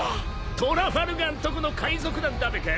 ［トラファルガーんとこの海賊団だべか］